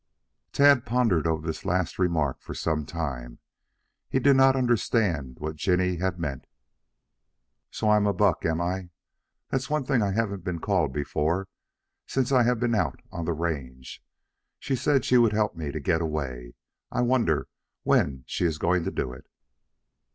Tad pondered over this last remark for some time. He did not understand what Jinny had meant. "So I'm a buck, am I? That's one thing I haven't been called before since I have been out on the range. She said she would help me to get away. I wonder when she is going to do it."